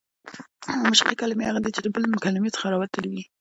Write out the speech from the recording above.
مشقي کلیمې هغه دي، چي د بلي کلیمې څخه راوتلي يي.